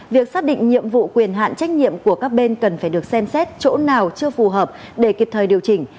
việc xác định nhiệm vụ quyền hạn trách nhiệm của các bên cần phải được xem xét chỗ nào chưa phù hợp để kịp thời điều chỉnh